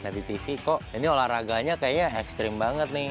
lihat di tv kok ini olahraganya kayaknya ekstrim banget nih